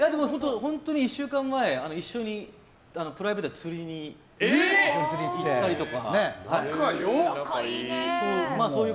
本当に１週間前一緒にプライベートで釣りに行ったりとか。